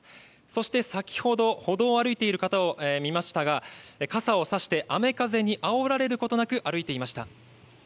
そして先ほど、歩道を歩いている方を見ましたが、傘を差して、雨風にあおられることなく、歩いていました。